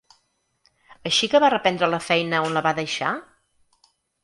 Així que va reprendre la feina on la va deixar?